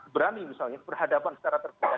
berani misalnya berhadapan secara terbuka